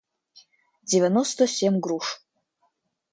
девяносто семь груш